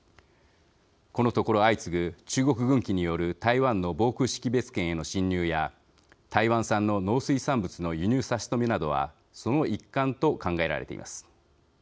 このところ相次ぐ中国軍機による台湾の防空識別圏への進入や台湾産の農水産物の輸入差し止めなどはその一環と考えられています。